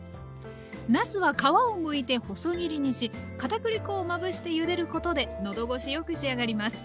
なすは皮をむいて細切りにしかたくり粉をまぶしてゆでることでのどごしよく仕上がります。